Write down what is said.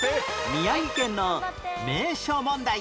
宮城県の名所問題